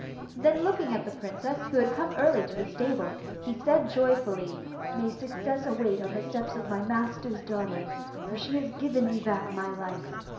Then looking at the princess who had come early to the stable, he said joyfully, 'May success await on the steps of my master's daughter, for she has given me back my life.